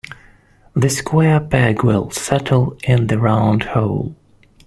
The square peg will settle in the round hole.